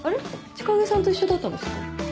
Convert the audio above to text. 千景さんと一緒だったんですか？